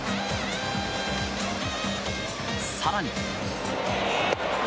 更に。